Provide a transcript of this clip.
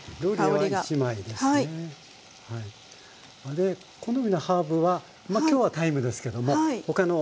で好みのハーブはまあきょうはタイムですけども他の。